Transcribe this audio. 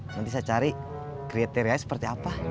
nanti saya cari kriterianya seperti apa